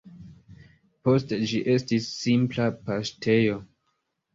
Poste ĝi estis simpla paŝtejo.